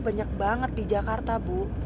banyak banget di jakarta bu